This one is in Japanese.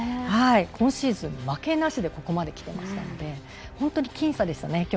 今シーズン負けなしでここまで来ていましたので本当に僅差でしたね